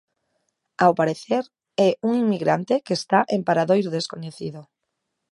Ao parecer, é un inmigrante que está en paradoiro descoñecido.